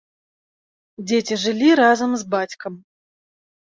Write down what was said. Дзеці жылі разам з бацькам.